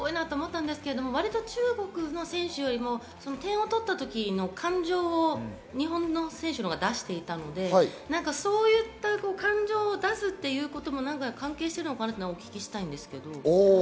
中国の選手よりも点を取ったときの感情を日本の選手のほうが出していたので、感情を出すということも関係しているのかなと、お聞きしたいです。